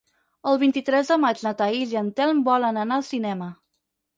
El vint-i-tres de maig na Thaís i en Telm volen anar al cinema.